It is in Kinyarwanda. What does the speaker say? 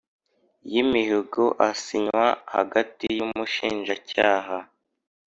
y imihigo asinywa hagati y Umushinjacyaha